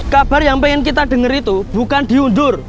kabar yang pengen kita dengar itu bukan diundur